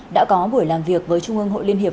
đã có buổi làm việc với trung ương hội liên hiệp